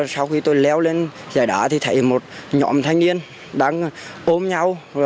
sau khi tôi leo lên giải đá thì thấy một nhóm thanh niên đang ôm nhau